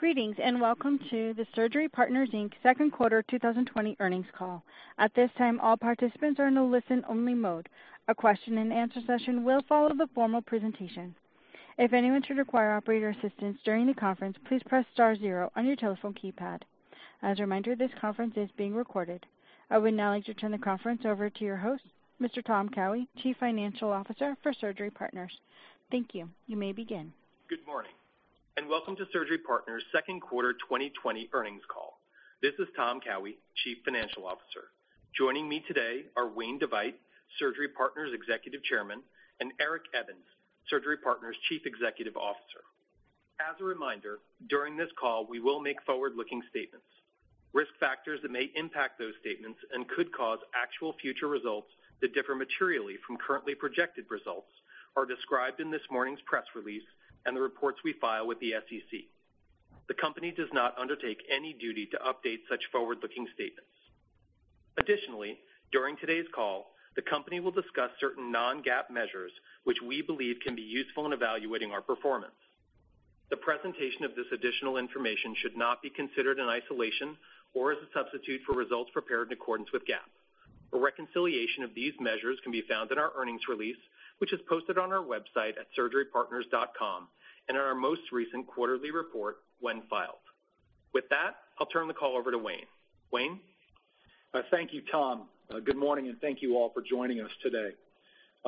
Greetings, welcome to the Surgery Partners, Inc second quarter 2020 earnings call. At this time, all participants are in a listen-only mode. A question and answer session will follow the formal presentation. If anyone should require operator assistance during the conference, please press star zero on your telephone keypad. As a reminder, this conference is being recorded. I would now like to turn the conference over to your host, Mr. Tom Cowhey, Chief Financial Officer for Surgery Partners. Thank you. You may begin. Good morning, and welcome to Surgery Partners' second quarter 2020 earnings call. This is Tom Cowhey, Chief Financial Officer. Joining me today are Wayne DeVeydt, Surgery Partners' Executive Chairman, and Eric Evans, Surgery Partners' Chief Executive Officer. As a reminder, during this call, we will make forward-looking statements. Risk factors that may impact those statements and could cause actual future results that differ materially from currently projected results are described in this morning's press release and the reports we file with the SEC. The company does not undertake any duty to update such forward-looking statements. Additionally, during today's call, the company will discuss certain non-GAAP measures which we believe can be useful in evaluating our performance. The presentation of this additional information should not be considered in isolation or as a substitute for results prepared in accordance with GAAP. A reconciliation of these measures can be found in our earnings release, which is posted on our website at surgerypartners.com, and in our most recent quarterly report when filed. With that, I'll turn the call over to Wayne. Wayne? Thank you, Tom. Good morning, and thank you all for joining us today.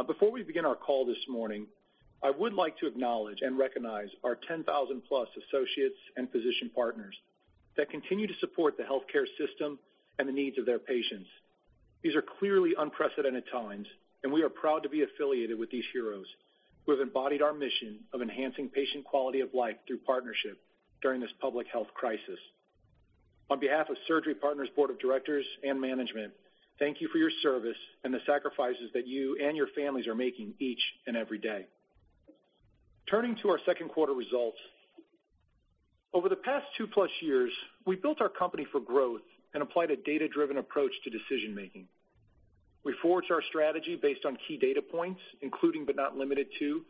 Before we begin our call this morning, I would like to acknowledge and recognize our 10,000+ associates and physician partners that continue to support the healthcare system and the needs of their patients. These are clearly unprecedented times, and we are proud to be affiliated with these heroes who have embodied our mission of enhancing patient quality of life through partnership during this public health crisis. On behalf of Surgery Partners' board of directors and management, thank you for your service and the sacrifices that you and your families are making each and every day. Turning to our second quarter results, over the past 2+ years, we've built our company for growth and applied a data-driven approach to decision-making. We forged our strategy based on key data points, including but not limited to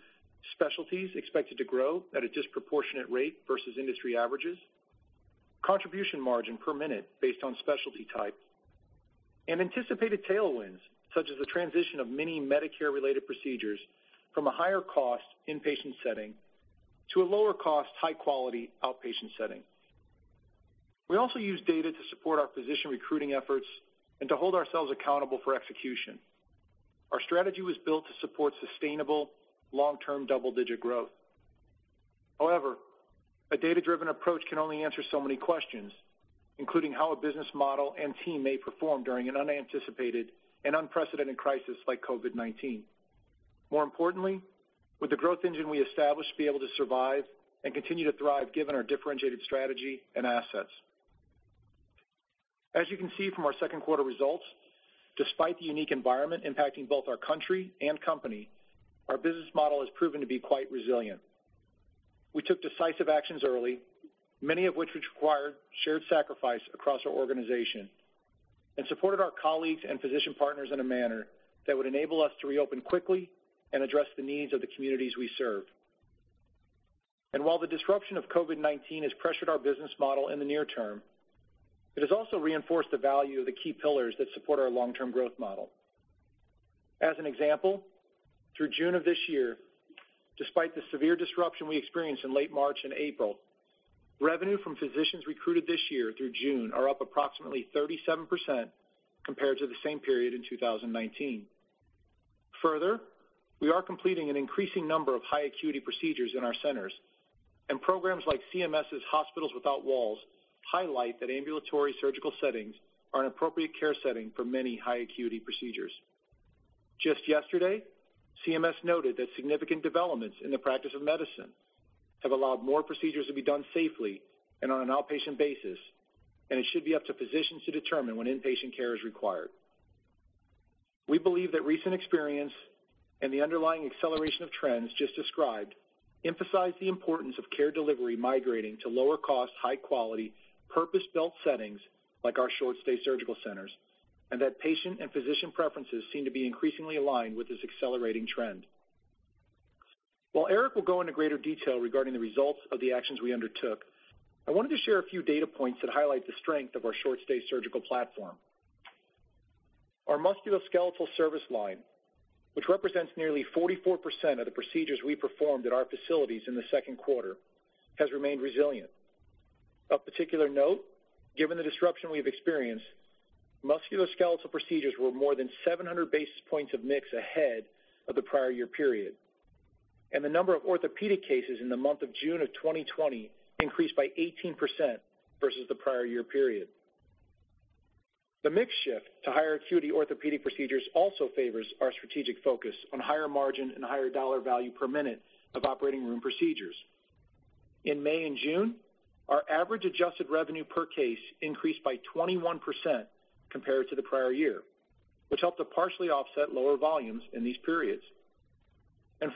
specialties expected to grow at a disproportionate rate versus industry averages, contribution margin per minute based on specialty type, and anticipated tailwinds, such as the transition of many Medicare-related procedures from a higher cost inpatient setting to a lower cost, high-quality outpatient setting. We also use data to support our physician recruiting efforts and to hold ourselves accountable for execution. Our strategy was built to support sustainable, long-term, double-digit growth. However, a data-driven approach can only answer so many questions, including how a business model and team may perform during an unanticipated and unprecedented crisis like COVID-19. More importantly, would the growth engine we established be able to survive and continue to thrive given our differentiated strategy and assets? As you can see from our second quarter results, despite the unique environment impacting both our country and company, our business model has proven to be quite resilient. We took decisive actions early, many of which required shared sacrifice across our organization, and supported our colleagues and physician partners in a manner that would enable us to reopen quickly and address the needs of the communities we serve. While the disruption of COVID-19 has pressured our business model in the near term, it has also reinforced the value of the key pillars that support our long-term growth model. As an example, through June of this year, despite the severe disruption we experienced in late March and April, revenue from physicians recruited this year through June are up approximately 37% compared to the same period in 2019. We are completing an increasing number of high acuity procedures in our centers, and programs like CMS' Hospitals Without Walls highlight that ambulatory surgical settings are an appropriate care setting for many high acuity procedures. Just yesterday, CMS noted that significant developments in the practice of medicine have allowed more procedures to be done safely and on an outpatient basis, and it should be up to physicians to determine when inpatient care is required. We believe that recent experience and the underlying acceleration of trends just described emphasize the importance of care delivery migrating to lower cost, high quality, purpose-built settings like our short stay surgical centers, and that patient and physician preferences seem to be increasingly aligned with this accelerating trend. While Eric will go into greater detail regarding the results of the actions we undertook, I wanted to share a few data points that highlight the strength of our short stay surgical platform. Our musculoskeletal service line, which represents nearly 44% of the procedures we performed at our facilities in the second quarter, has remained resilient. Of particular note, given the disruption we've experienced, musculoskeletal procedures were more than 700 basis points of mix ahead of the prior year period, and the number of orthopedic cases in the month of June of 2020 increased by 18% versus the prior year period. The mix shift to higher acuity orthopedic procedures also favors our strategic focus on higher margin and higher dollar value per minute of operating room procedures. In May and June, our average adjusted revenue per case increased by 21% compared to the prior year, which helped to partially offset lower volumes in these periods.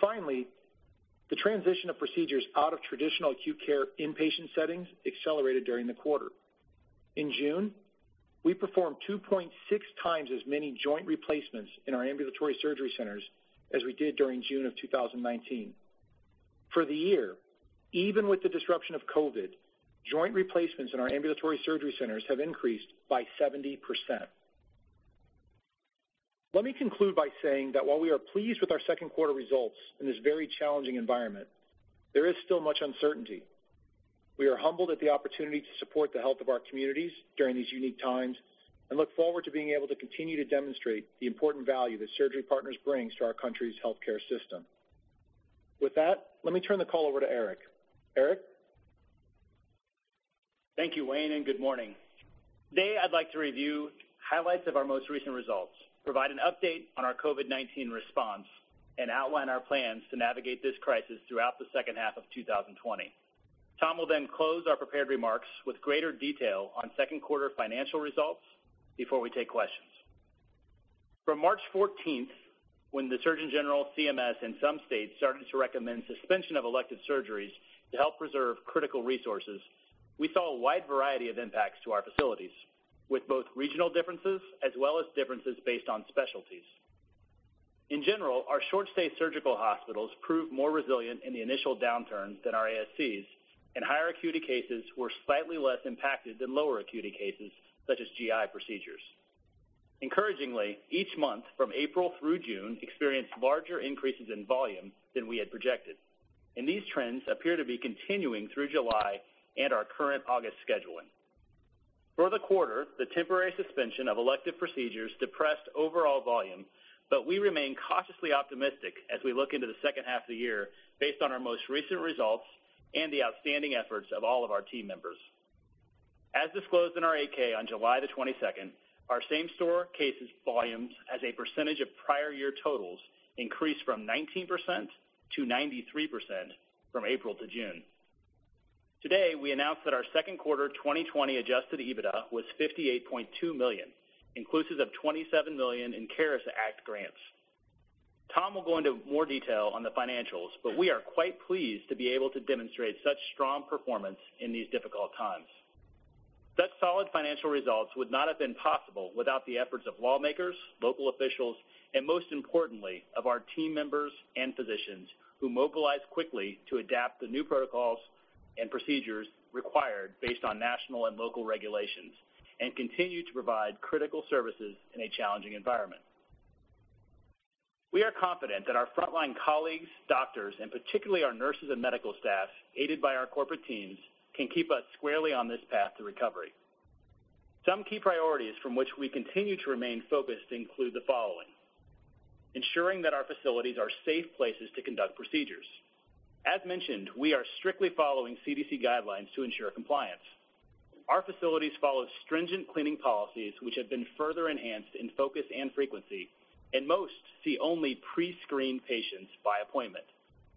Finally, the transition of procedures out of traditional acute care inpatient settings accelerated during the quarter. In June, we performed 2.6x as many joint replacements in our ambulatory surgery centers as we did during June of 2019. For the year, even with the disruption of COVID-19, joint replacements in our ambulatory surgery centers have increased by 70%. Let me conclude by saying that while we are pleased with our second quarter results in this very challenging environment, there is still much uncertainty. We are humbled at the opportunity to support the health of our communities during these unique times and look forward to being able to continue to demonstrate the important value that Surgery Partners brings to our country's healthcare system. With that, let me turn the call over to Eric. Eric? Thank you, Wayne, and good morning. Today I'd like to review highlights of our most recent results, provide an update on our COVID-19 response, and outline our plans to navigate this crisis throughout the second half of 2020. Tom will close our prepared remarks with greater detail on second quarter financial results before we take questions. From March 14th, when the Surgeon General, CMS, and some states started to recommend suspension of elective surgeries to help preserve critical resources, we saw a wide variety of impacts to our facilities with both regional differences as well as differences based on specialties. In general, our short-stay surgical hospitals proved more resilient in the initial downturn than our ASCs, and higher acuity cases were slightly less impacted than lower acuity cases such as GI procedures. Encouragingly, each month from April through June experienced larger increases in volume than we had projected, and these trends appear to be continuing through July and our current August scheduling. For the quarter, the temporary suspension of elective procedures depressed overall volume, but we remain cautiously optimistic as we look into the second half of the year based on our most recent results and the outstanding efforts of all of our team members. As disclosed in our 8-K on July the 22nd, our same-store cases volumes as a percentage of prior year totals increased from 19%-93% from April-June. Today, we announced that our Q2 2020 adjusted EBITDA was $58.2 million, inclusive of $27 million in CARES Act grants. Tom will go into more detail on the financials, but we are quite pleased to be able to demonstrate such strong performance in these difficult times. Such solid financial results would not have been possible without the efforts of lawmakers, local officials, and most importantly, of our team members and physicians who mobilized quickly to adapt the new protocols and procedures required based on national and local regulations and continue to provide critical services in a challenging environment. We are confident that our frontline colleagues, doctors, and particularly our nurses and medical staff, aided by our corporate teams, can keep us squarely on this path to recovery. Some key priorities from which we continue to remain focused include the following. Ensuring that our facilities are safe places to conduct procedures. As mentioned, we are strictly following CDC guidelines to ensure compliance. Our facilities follow stringent cleaning policies, which have been further enhanced in focus and frequency, and most see only pre-screened patients by appointment,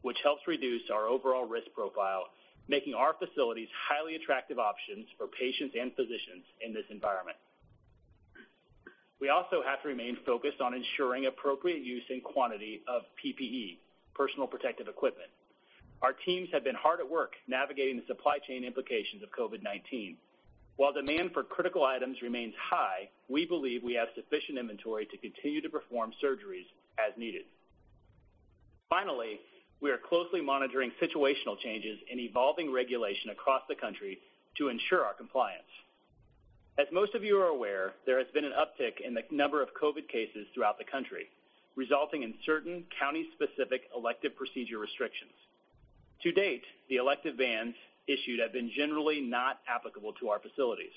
which helps reduce our overall risk profile, making our facilities highly attractive options for patients and physicians in this environment. We also have to remain focused on ensuring appropriate use and quantity of PPE, personal protective equipment. Our teams have been hard at work navigating the supply chain implications of COVID-19. While demand for critical items remains high, we believe we have sufficient inventory to continue to perform surgeries as needed. Finally, we are closely monitoring situational changes and evolving regulation across the country to ensure our compliance. As most of you are aware, there has been an uptick in the number of COVID cases throughout the country, resulting in certain county-specific elective procedure restrictions. To date, the elective bans issued have been generally not applicable to our facilities.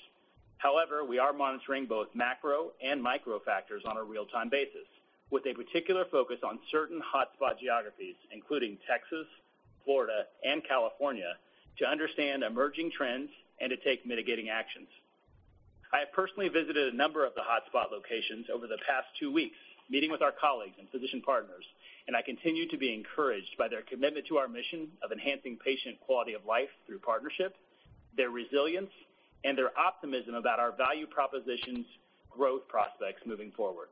However, we are monitoring both macro and micro factors on a real-time basis with a particular focus on certain hotspot geographies, including Texas, Florida, and California, to understand emerging trends and to take mitigating actions. I have personally visited a number of the hotspot locations over the past two weeks, meeting with our colleagues and physician partners, and I continue to be encouraged by their commitment to our mission of enhancing patient quality of life through partnership, their resilience, and their optimism about our value proposition's growth prospects moving forward.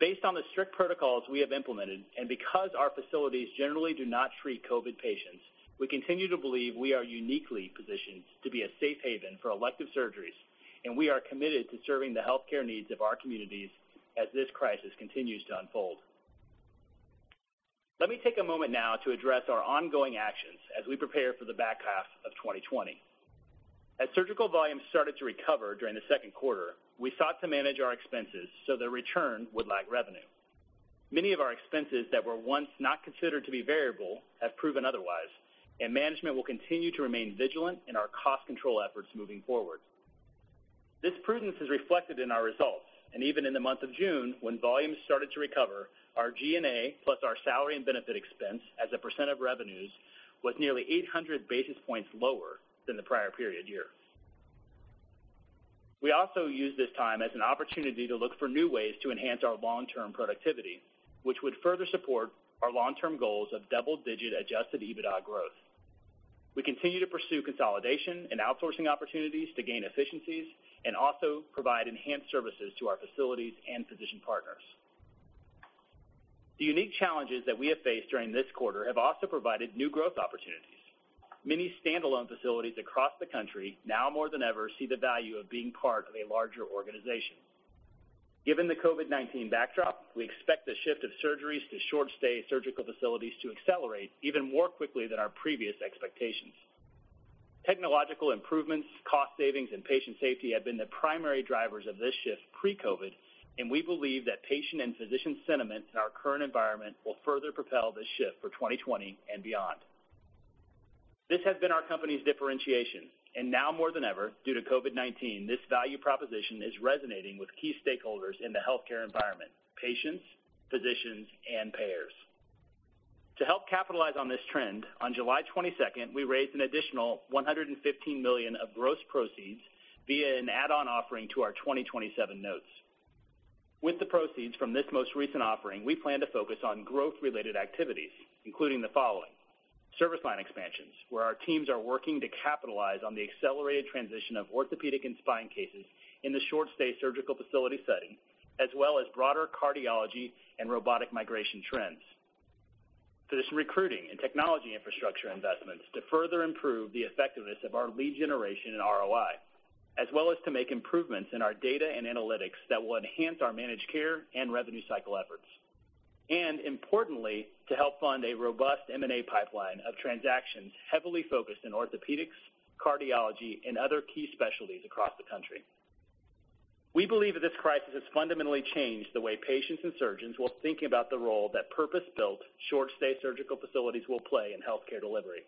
Based on the strict protocols we have implemented and because our facilities generally do not treat COVID patients, we continue to believe we are uniquely positioned to be a safe haven for elective surgeries, and we are committed to serving the healthcare needs of our communities as this crisis continues to unfold. Let me take a moment now to address our ongoing actions as we prepare for the back half of 2020. As surgical volumes started to recover during the second quarter, we sought to manage our expenses so the return would lag revenue. Many of our expenses that were once not considered to be variable have proven otherwise, and management will continue to remain vigilant in our cost control efforts moving forward. This prudence is reflected in our results. Even in the month of June, when volumes started to recover, our G&A, plus our salary and benefit expense as a percent of revenues, was nearly 800 basis points lower than the prior period year. We also used this time as an opportunity to look for new ways to enhance our long-term productivity, which would further support our long-term goals of double-digit adjusted EBITDA growth. We continue to pursue consolidation and outsourcing opportunities to gain efficiencies. Also provide enhanced services to our facilities and physician partners. The unique challenges that we have faced during this quarter have also provided new growth opportunities. Many standalone facilities across the country, now more than ever, see the value of being part of a larger organization. Given the COVID-19 backdrop, we expect the shift of surgeries to short-stay surgical facilities to accelerate even more quickly than our previous expectations. Technological improvements, cost savings, and patient safety have been the primary drivers of this shift pre-COVID, and we believe that patient and physician sentiment in our current environment will further propel this shift for 2020 and beyond. This has been our company's differentiation, and now more than ever, due to COVID-19, this value proposition is resonating with key stakeholders in the healthcare environment, patients, physicians, and payers. To help capitalize on this trend, on July 22nd, we raised an additional $115 million of gross proceeds via an add-on offering to our 2027 notes. With the proceeds from this most recent offering, we plan to focus on growth-related activities, including the following. Service line expansions, where our teams are working to capitalize on the accelerated transition of orthopedic and spine cases in the short stay surgical facility setting, as well as broader cardiology and robotic migration trends. Physician recruiting and technology infrastructure investments to further improve the effectiveness of our lead generation and ROI, as well as to make improvements in our data and analytics that will enhance our managed care and revenue cycle efforts. Importantly, to help fund a robust M&A pipeline of transactions heavily focused in orthopedics, cardiology, and other key specialties across the country. We believe that this crisis has fundamentally changed the way patients and surgeons will think about the role that purpose-built, short-stay surgical facilities will play in healthcare delivery.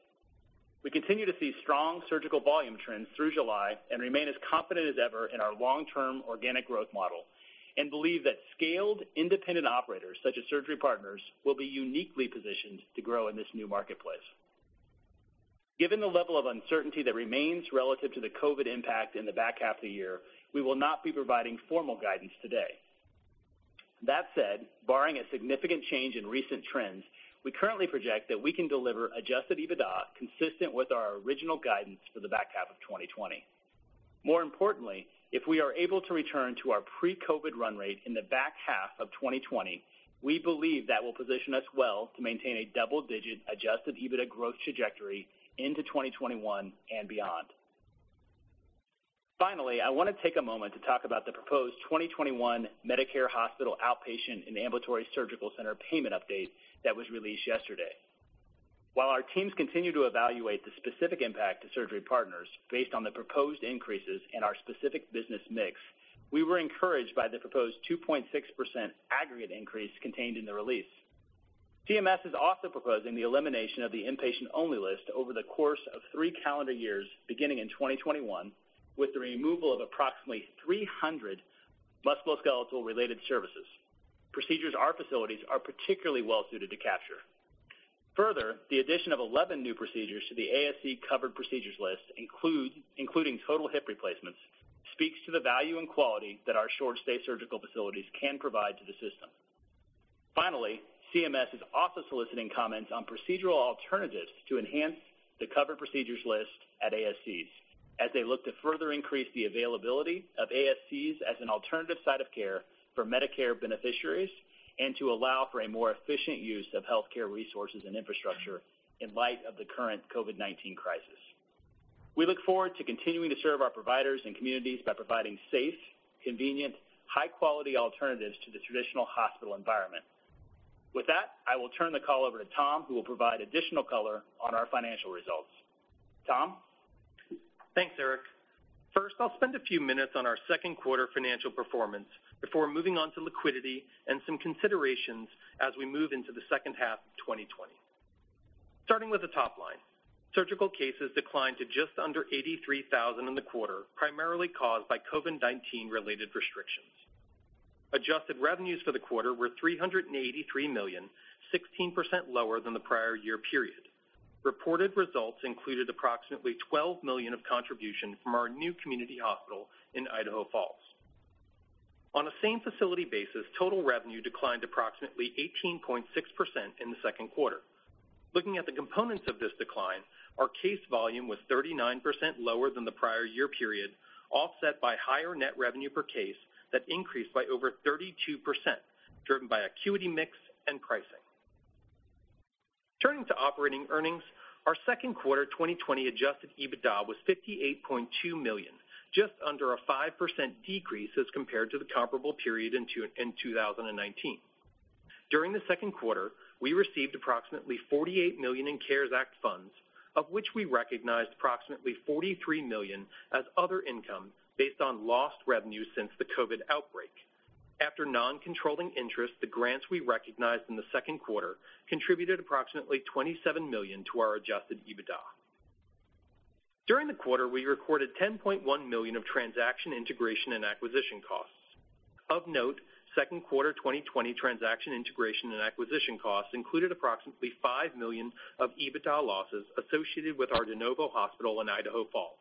We continue to see strong surgical volume trends through July and remain as confident as ever in our long-term organic growth model and believe that scaled independent operators such as Surgery Partners, will be uniquely positioned to grow in this new marketplace. Given the level of uncertainty that remains relative to the COVID impact in the back half of the year, we will not be providing formal guidance today. That said, barring a significant change in recent trends, we currently project that we can deliver adjusted EBITDA consistent with our original guidance for the back half of 2020. More importantly, if we are able to return to our pre-COVID run rate in the back half of 2020, we believe that will position us well to maintain a double-digit adjusted EBITDA growth trajectory into 2021 and beyond. Finally, I want to take a moment to talk about the proposed 2021 Medicare hospital outpatient and ambulatory surgical center payment update that was released yesterday. While our teams continue to evaluate the specific impact to Surgery Partners, based on the proposed increases in our specific business mix, we were encouraged by the proposed 2.6% aggregate increase contained in the release. CMS is also proposing the elimination of the inpatient-only list over the course of three calendar years, beginning in 2021, with the removal of approximately 300 musculoskeletal related services, procedures our facilities are particularly well-suited to capture. Further, the addition of 11 new procedures to the ASC covered procedures list, including total hip replacements, speaks to the value and quality that our short stay surgical facilities can provide to the system. Finally, CMS is also soliciting comments on procedural alternatives to enhance the covered procedures list at ASCs as they look to further increase the availability of ASCs as an alternative site of care for Medicare beneficiaries and to allow for a more efficient use of healthcare resources and infrastructure in light of the current COVID-19 crisis. We look forward to continuing to serve our providers and communities by providing safe, convenient, high-quality alternatives to the traditional hospital environment. With that, I will turn the call over to Tom, who will provide additional color on our financial results. Tom? Thanks, Eric. First, I'll spend a few minutes on our second quarter financial performance before moving on to liquidity and some considerations as we move into the second half of 2020. Starting with the top line, surgical cases declined to just under 83,000 in the quarter, primarily caused by COVID-19 related restrictions. Adjusted revenues for the quarter were $383 million, 16% lower than the prior year period. Reported results included approximately $12 million of contribution from our new community hospital in Idaho Falls. On a same facility basis, total revenue declined approximately 18.6% in the second quarter. Looking at the components of this decline, our case volume was 39% lower than the prior year period, offset by higher net revenue per case that increased by over 32%, driven by acuity mix and pricing. Turning to operating earnings, our second quarter 2020 adjusted EBITDA was $58.2 million, just under a 5% decrease as compared to the comparable period in 2019. During the second quarter, we received approximately $48 million in CARES Act funds, of which we recognized approximately $43 million as other income based on lost revenue since the COVID outbreak. After non-controlling interest, the grants we recognized in the second quarter contributed approximately $27 million to our adjusted EBITDA. During the quarter, we recorded $10.1 million of transaction integration and acquisition costs. Of note, second quarter 2020 transaction integration and acquisition costs included approximately $5 million of EBITDA losses associated with our de novo hospital in Idaho Falls.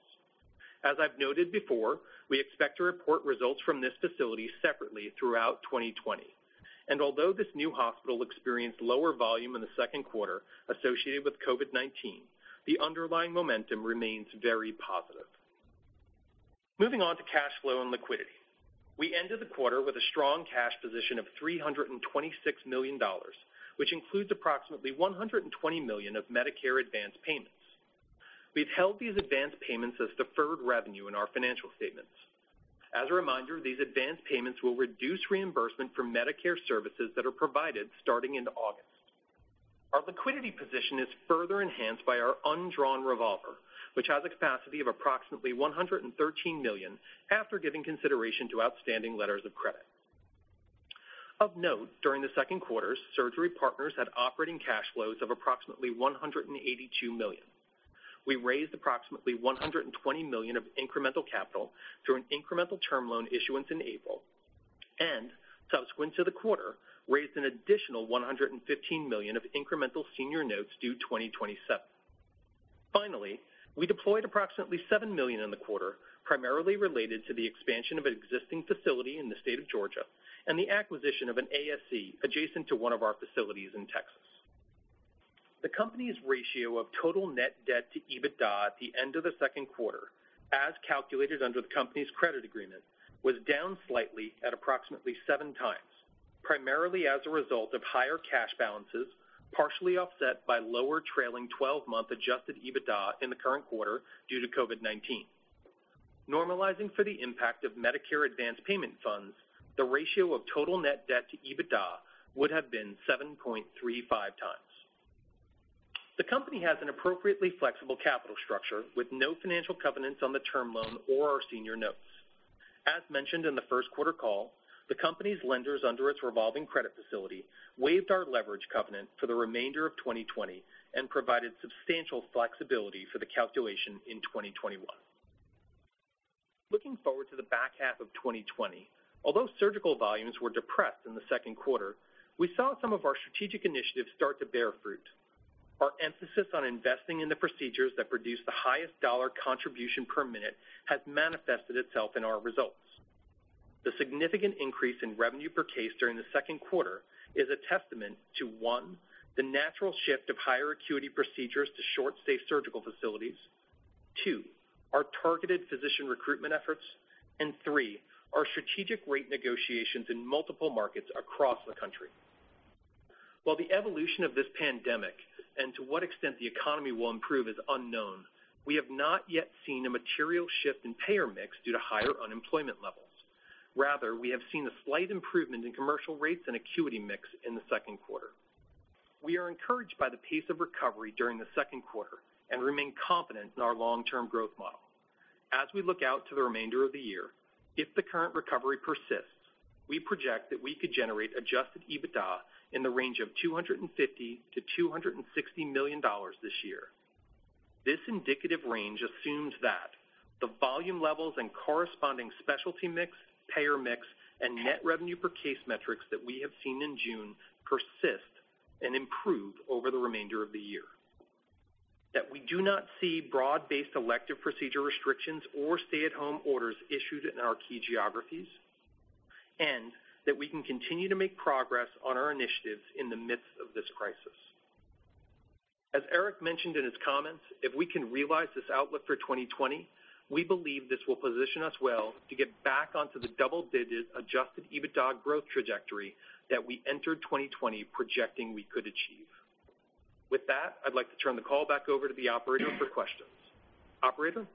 As I've noted before, we expect to report results from this facility separately throughout 2020. Although this new hospital experienced lower volume in the second quarter associated with COVID-19, the underlying momentum remains very positive. Moving on to cash flow and liquidity. We ended the quarter with a strong cash position of $326 million, which includes approximately $120 million of Medicare advanced payments. We've held these advanced payments as deferred revenue in our financial statements. As a reminder, these advanced payments will reduce reimbursement for Medicare services that are provided starting in August. Our liquidity position is further enhanced by our undrawn revolver, which has a capacity of approximately $113 million after giving consideration to outstanding letters of credit. Of note, during the second quarter, Surgery Partners had operating cash flows of approximately $182 million. We raised approximately $120 million of incremental capital through an incremental term loan issuance in April, and subsequent to the quarter, raised an additional $115 million of incremental senior notes due 2027. Finally, we deployed approximately $7 million in the quarter, primarily related to the expansion of an existing facility in the state of Georgia and the acquisition of an ASC adjacent to one of our facilities in Texas. The company's ratio of total net debt to EBITDA at the end of the second quarter, as calculated under the company's credit agreement, was down slightly at approximately 7x, primarily as a result of higher cash balances, partially offset by lower trailing 12-month adjusted EBITDA in the current quarter due to COVID-19. Normalizing for the impact of Medicare advanced payment funds, the ratio of total net debt to EBITDA would have been 7.35x. The company has an appropriately flexible capital structure with no financial covenants on the term loan or our senior notes. As mentioned in the first quarter call, the company's lenders under its revolving credit facility waived our leverage covenant for the remainder of 2020 and provided substantial flexibility for the calculation in 2021. Looking forward to the back half of 2020, although surgical volumes were depressed in the second quarter, we saw some of our strategic initiatives start to bear fruit. Our emphasis on investing in the procedures that produce the highest dollar contribution per minute has manifested itself in our results. The significant increase in revenue per case during the second quarter is a testament to, one, the natural shift of higher acuity procedures to short-stay surgical facilities. Two, our targeted physician recruitment efforts. Three, our strategic rate negotiations in multiple markets across the country. While the evolution of this pandemic and to what extent the economy will improve is unknown, we have not yet seen a material shift in payer mix due to higher unemployment levels. Rather, we have seen a slight improvement in commercial rates and acuity mix in the second quarter. We are encouraged by the pace of recovery during the second quarter and remain confident in our long-term growth model. As we look out to the remainder of the year, if the current recovery persists, we project that we could generate adjusted EBITDA in the range of $250 million-$260 million this year. This indicative range assumes that the volume levels and corresponding specialty mix, payer mix, and net revenue per case metrics that we have seen in June persist and improve over the remainder of the year. That we do not see broad-based elective procedure restrictions or stay-at-home orders issued in our key geographies, and that we can continue to make progress on our initiatives in the midst of this crisis. As Eric mentioned in his comments, if we can realize this outlook for 2020, we believe this will position us well to get back onto the double-digit adjusted EBITDA growth trajectory that we entered 2020 projecting we could achieve. With that, I'd like to turn the call back over to the operator for questions. Operator?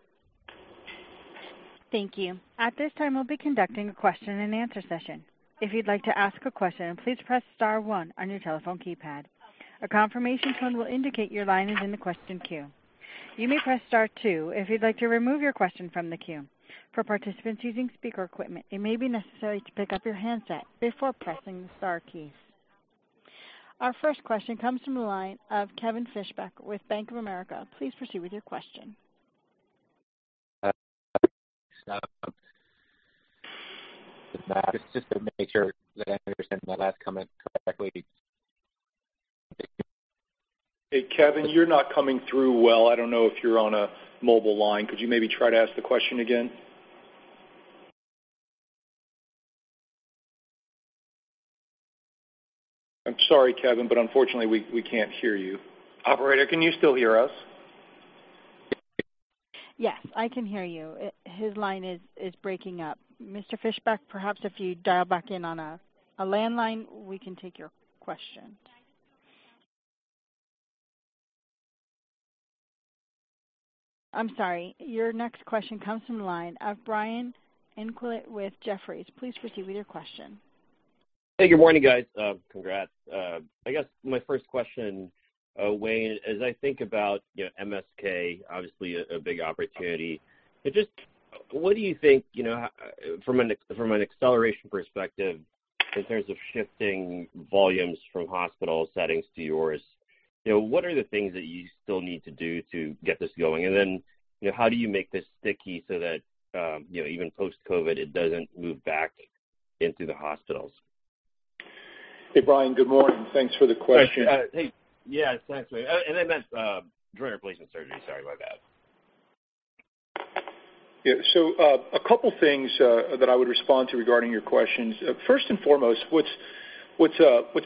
Thankyou. After this time, I'll be conducting question and answer session. If you would like to ask a question, please press star one on your telephone keypad. A confirmation tone will indicate your line is in the question queue. You may press star two, if you would like to remove your question from the queue. For participant using speaker equipment, it may be necessary to pick up your handset before pressing the star keys. Our first question comes from the line of Kevin Fischbeck with Bank of America. Please proceed with your question. Just to make sure that I understand that last comment correctly. Hey, Kevin, you're not coming through well. I don't know if you're on a mobile line. Could you maybe try to ask the question again? I'm sorry, Kevin, but unfortunately, we can't hear you. Operator, can you still hear us? Yes, I can hear you. His line is breaking up. Mr. Fischbeck, perhaps if you dial back in on a landline, we can take your question. I'm sorry. Your next question comes from the line of Brian Tanquilut with Jefferies. Please proceed with your question. Hey, good morning, guys. Congrats. I guess my first question, Wayne, as I think about MSK, obviously a big opportunity, but just what do you think, from an acceleration perspective in terms of shifting volumes from hospital settings to yours, what are the things that you still need to do to get this going? How do you make this sticky so that even post-COVID, it doesn't move back into the hospitals? Hey, Brian, good morning. Thanks for the question. Hey. Yeah, thanks, Wayne. I meant joint replacement surgery. Sorry about that. Yeah. A couple things that I would respond to regarding your questions. What's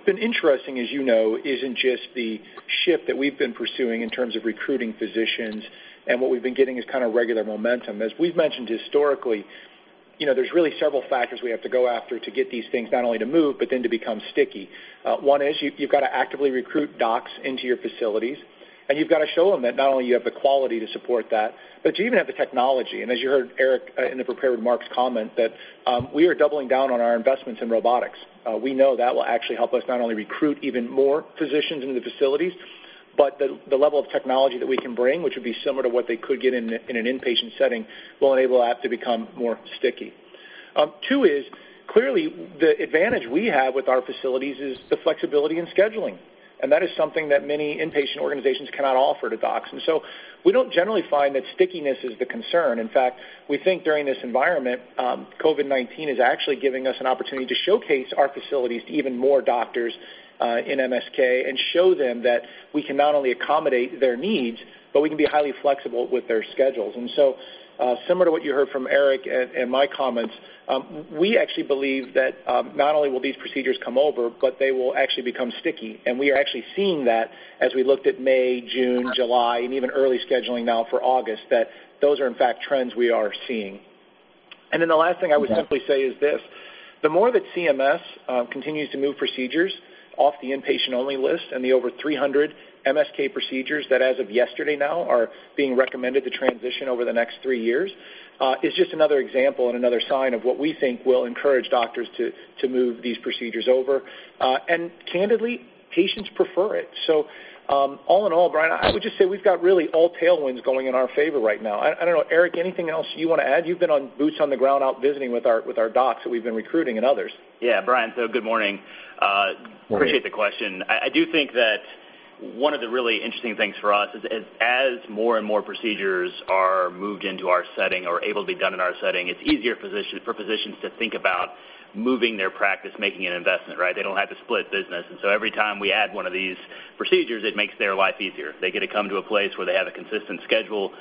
been interesting, as you know, isn't just the shift that we've been pursuing in terms of recruiting physicians, and what we've been getting is regular momentum. As we've mentioned historically, there's really several factors we have to go after to get these things not only to move, but then to become sticky. One is you've got to actively recruit docs into your facilities, and you've got to show them that not only you have the quality to support that, but you even have the technology. As you heard Eric, in the prepared remarks comment that we are doubling down on our investments in robotics. We know that will actually help us not only recruit even more physicians into the facilities, but the level of technology that we can bring, which would be similar to what they could get in an inpatient setting, will enable that to become more sticky. Two is, clearly, the advantage we have with our facilities is the flexibility in scheduling. That is something that many inpatient organizations cannot offer to docs. We don't generally find that stickiness is the concern. In fact, we think during this environment, COVID-19 is actually giving us an opportunity to showcase our facilities to even more doctors in MSK and show them that we can not only accommodate their needs, but we can be highly flexible with their schedules. Similar to what you heard from Eric and my comments, we actually believe that not only will these procedures come over, but they will actually become sticky. We are actually seeing that as we looked at May, June, July, and even early scheduling now for August, that those are in fact trends we are seeing. The last thing I would simply say is this, the more that CMS continues to move procedures off the inpatient-only list and the over 300 MSK procedures that as of yesterday now are being recommended to transition over the next three years, is just another example and another sign of what we think will encourage doctors to move these procedures over. Candidly, patients prefer it. All in all, Brian, I would just say we've got really all tailwinds going in our favor right now. I don't know, Eric, anything else you want to add? You've been on boots on the ground out visiting with our docs that we've been recruiting and others. Yeah. Brian, good morning. Morning. Appreciate the question. I do think that one of the really interesting things for us is as more and more procedures are moved into our setting or able to be done in our setting, it's easier for physicians to think about moving their practice, making an investment, right? They don't have to split business. Every time we add one of these procedures, it makes their life easier. They get to come to a place where they have a consistent schedule.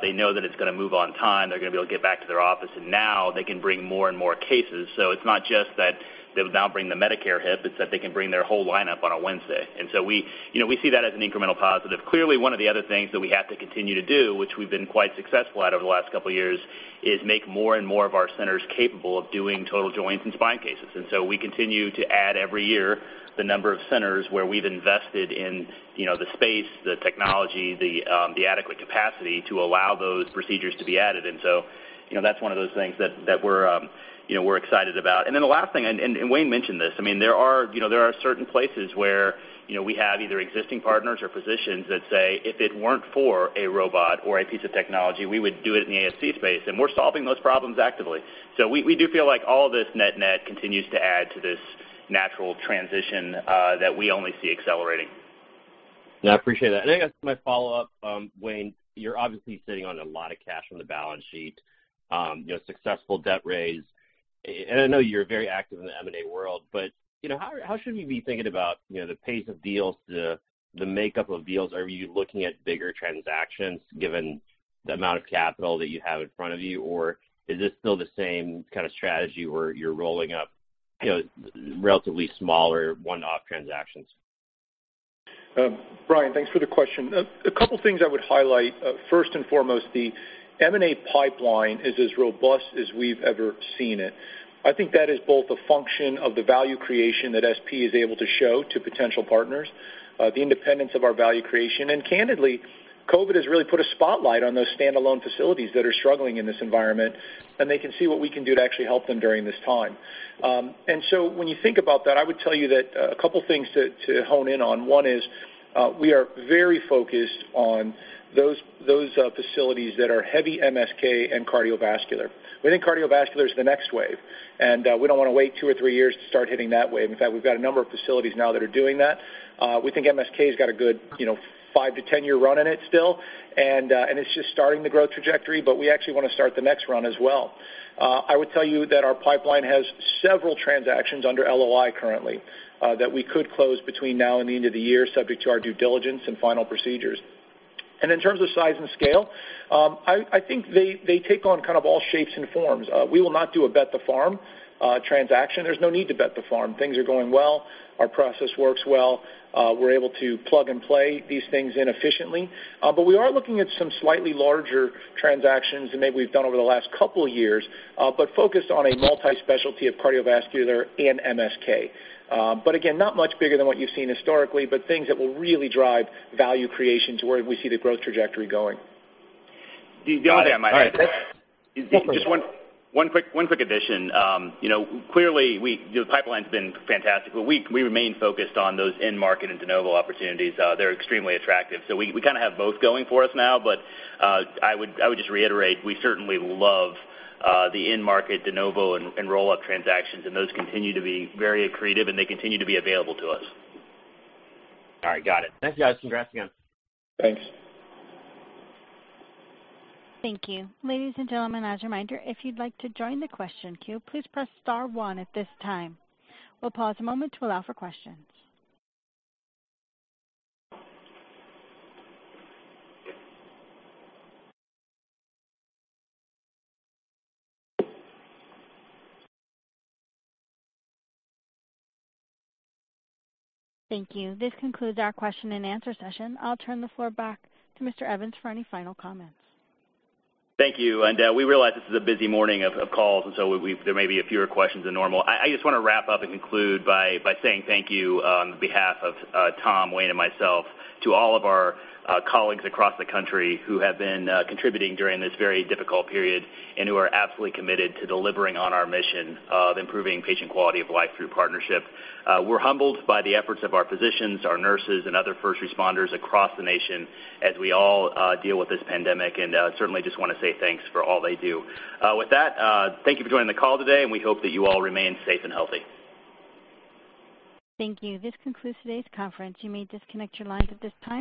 They know that it's going to move on time. They're going to be able to get back to their office. Now they can bring more and more cases. It's not just that they'll now bring the Medicare hip, it's that they can bring their whole lineup on a Wednesday. We see that as an incremental positive. Clearly, one of the other things that we have to continue to do, which we've been quite successful at over the last couple of years, is make more and more of our centers capable of doing total joints and spine cases. We continue to add every year the number of centers where we've invested in the space, the technology, the adequate capacity to allow those procedures to be added. That's one of those things that we're excited about. The last thing, and Wayne mentioned this, there are certain places where we have either existing partners or physicians that say, "If it weren't for a robot or a piece of technology, we would do it in the ASC space," and we're solving those problems actively. We do feel like all this net continues to add to this natural transition that we only see accelerating. I appreciate that. I guess my follow-up, Wayne, you're obviously sitting on a lot of cash on the balance sheet, successful debt raise. I know you're very active in the M&A world, but how should we be thinking about the pace of deals, the makeup of deals? Are you looking at bigger transactions given the amount of capital that you have in front of you? Is this still the same kind of strategy where you're rolling up relatively smaller one-off transactions? Brian, thanks for the question. A couple things I would highlight. First and foremost, the M&A pipeline is as robust as we've ever seen it. I think that is both a function of the value creation that SP is able to show to potential partners, the independence of our value creation. Candidly, COVID has really put a spotlight on those standalone facilities that are struggling in this environment. They can see what we can do to actually help them during this time. When you think about that, I would tell you that a couple things to hone in on. One is, we are very focused on those facilities that are heavy MSK and cardiovascular. We think cardiovascular is the next wave. We don't want to wait two or three years to start hitting that wave. In fact, we've got a number of facilities now that are doing that. We think MSK's got a good five to 10-year run in it still, it's just starting the growth trajectory, we actually want to start the next run as well. I would tell you that our pipeline has several transactions under LOI currently that we could close between now and the end of the year, subject to our due diligence and final procedures. In terms of size and scale, I think they take on kind of all shapes and forms. We will not do a bet the farm transaction. There's no need to bet the farm. Things are going well. Our process works well. We're able to plug and play these things in efficiently. We are looking at some slightly larger transactions than maybe we've done over the last couple years, but focused on a multi-specialty of cardiovascular and MSK. Again, not much bigger than what you've seen historically, but things that will really drive value creation to where we see the growth trajectory going. The only thing I might add to that. All right. Just one quick addition. Clearly, the pipeline's been fantastic, but we remain focused on those in-market and de novo opportunities. They're extremely attractive. We kind of have both going for us now, but I would just reiterate, we certainly love the in-market, de novo, and roll-up transactions, and those continue to be very accretive, and they continue to be available to us. All right. Got it. Thanks, guys. Congrats again. Thanks. Thank you. Ladies and gentlemen, as a reminder, if you'd like to join the question queue, please press star one at this time. We'll pause a moment to allow for questions. Thank you. This concludes our question and answer session. I'll turn the floor back to Mr. Evans for any final comments. Thank you. We realize this is a busy morning of calls, and so there may be fewer questions than normal. I just want to wrap up and conclude by saying thank you on behalf of Tom, Wayne, and myself to all of our colleagues across the country who have been contributing during this very difficult period and who are absolutely committed to delivering on our mission of improving patient quality of life through partnership. We're humbled by the efforts of our physicians, our nurses, and other first responders across the nation as we all deal with this pandemic, and certainly just want to say thanks for all they do. With that, thank you for joining the call today, and we hope that you all remain safe and healthy. Thank you. This concludes today's conference. You may disconnect your lines at this time.